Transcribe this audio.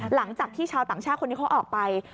หลังจากที่ชาวต่างชาติคนนี้เขาออกไป